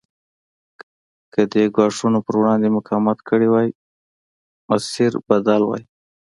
که دې ګواښونو پر وړاندې مقاومت کړی وای مسیر بدل وای.